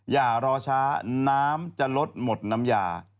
อย่ารอช้าน้ำจะลดหมดน้ำยา